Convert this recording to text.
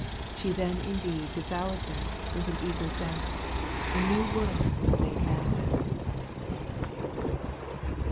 She then indeed Devoured them with an eager zest. A new world was made manifest